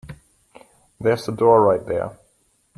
There's the door right there.